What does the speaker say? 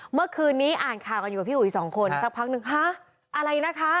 เมื่อคืนนี้อ่านข่าวกันอยู่กับพี่อุ๋ยสองคนสักพักหนึ่งฮะอะไรนะคะ